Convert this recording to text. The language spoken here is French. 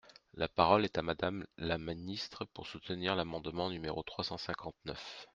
La parole est à Madame la ministre, pour soutenir l’amendement numéro trois cent cinquante-neuf.